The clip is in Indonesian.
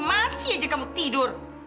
masih aja kamu tidur